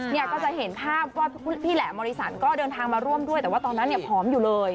เนี่ยก็จะเห็นภาพว่าพี่แหลมมริสันก็เดินทางมาร่วมด้วยแต่ว่าตอนนั้นเนี่ยผอมอยู่เลย